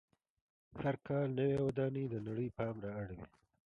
هر کال نوې ودانۍ د نړۍ پام را اړوي.